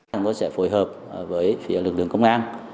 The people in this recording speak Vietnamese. chúng tôi sẽ phối hợp với phía lực lượng công an